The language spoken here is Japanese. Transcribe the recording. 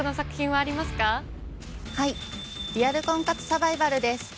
はい『リアル婚活サバイバル』です。